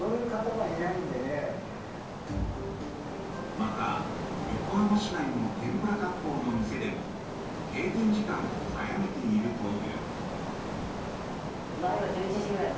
また横浜市内の天ぷら割烹の店でも閉店時間を早めているという。